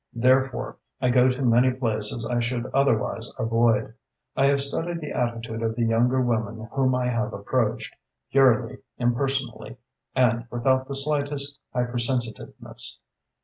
Therefore, I go to many places I should otherwise avoid. I have studied the attitude of the younger women whom I have approached, purely impersonally and without the slightest hypersensitiveness.